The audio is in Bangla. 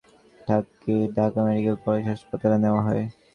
একজনের মাথা ফেটে যাওয়ায় তাঁকে ঢাকা মেডিকেল কলেজ হাসপাতালে নেওয়া হয়।